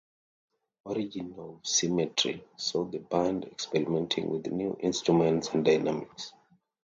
"Origin of Symmetry" saw the band experimenting with new instruments and dynamics.